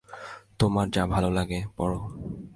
তোমার যা ভালো লাগে, পর।